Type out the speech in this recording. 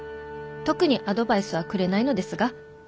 特にアドバイスはくれないのですが」。